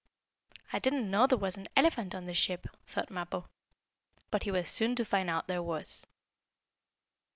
"I didn't know there was an elephant on this ship," thought Mappo. But he was soon to find out there was.